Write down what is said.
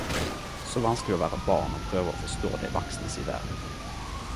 Så vanskeleg å vere barn og prøve å forstå dei vaksne si verd.